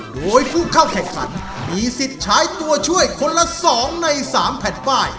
โดยผู้เข้าแข่งขันมีสิทธิ์ใช้ตัวช่วยคนละ๒ใน๓แผ่นป้าย